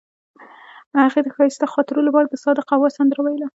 هغې د ښایسته خاطرو لپاره د صادق اواز سندره ویله.